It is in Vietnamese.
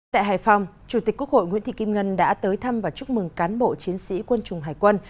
tại hải phòng chủ tịch quốc hội nguyễn thị kim ngân đã tới thăm và chúc mừng cán bộ chiến sĩ quân chủng hải quân